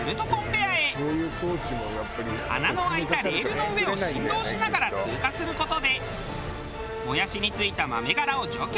穴の開いたレールの上を振動しながら通過する事でもやしに付いた豆殻を除去。